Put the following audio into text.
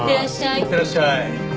いってらっしゃい。